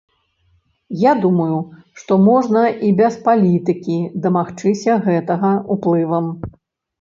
Я думаю, што можна і без палітыкі дамагчыся гэтага уплывам.